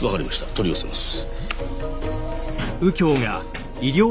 取り寄せます。